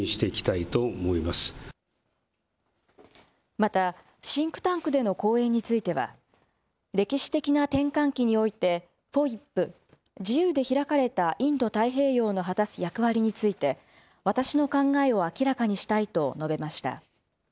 また、シンクタンクでの講演については、歴史的な転換期において、ＦＯＩＰ・自由で開かれたインド太平洋の果たす役割について、私の考えを明らかにしたいと述べました。